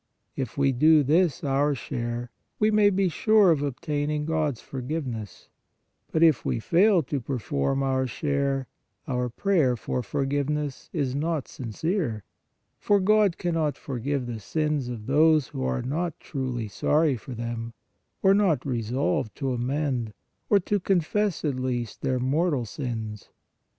If we do this, our share, we may be sure of obtaining God s forgiveness; but if we fail to perform our share, our prayer for for giveness is not sincere, for God cannot forgive the sins of those who are not truly sorry for them, or not resolved to amend, or to confess at least their mortal sins.